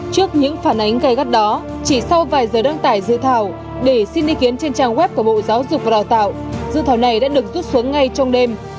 trước những phản ánh gây gắt đó chỉ sau vài giờ đăng tải dự thảo để xin ý kiến trên trang web của bộ giáo dục và đào tạo dự thảo này đã được rút xuống ngay trong đêm